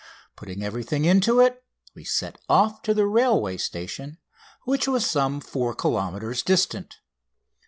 Putting everything into it we set off to the railway station, which was some 4 kilometres (2 1/2 miles) distant.